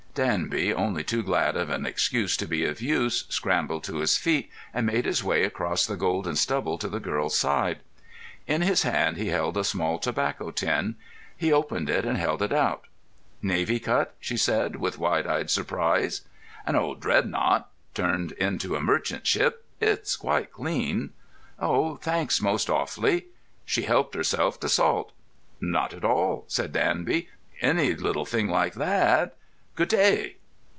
Danby, only too glad of an excuse to be of use, scrambled to his feet and made his way across the golden stubble to the girl's side. In his hand he held a small tobacco tin. He opened it and held it out. "Navy cut?" she said, with wide eyed surprise. "An old 'Dreadnought' turned into a merchant ship. It's quite clean." "Oh, thanks most awfully!" She helped herself to salt. "Not at all," said Danby. "Any little thing like that.... Good day!"